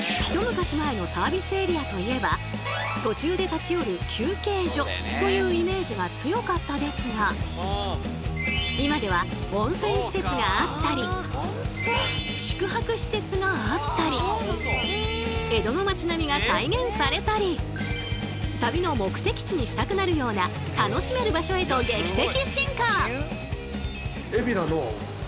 途中で立ち寄る休憩所というイメージが強かったですが今では温泉施設があったり宿泊施設があったり江戸の街並みが再現されたり旅の目的地にしたくなるような楽しめる場所へと劇的進化！